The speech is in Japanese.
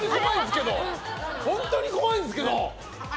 本当に怖いんですけど！